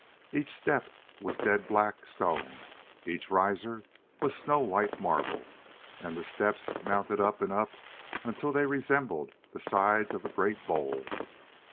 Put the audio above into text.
Each step was dead black stone, each riser was snow white marble; and the steps mounted up and up until they resembled the sides of a great bowl.